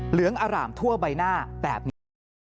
เหลืองอร่ามทั่วใบหน้าแบบนี้